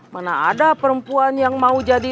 mana ada perempuan yang mau jadi